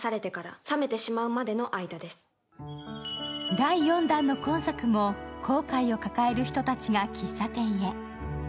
第４弾の今作も後悔を抱える人たちが喫茶店へ。